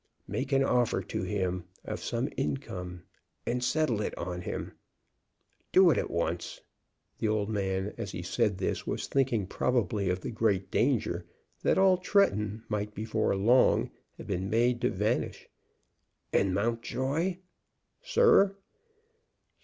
"Make an offer to him of some income, and settle it on him. Do it at once." The old man, as he said this, was thinking probably of the great danger that all Tretton might, before long, have been made to vanish. "And, Mountjoy " "Sir."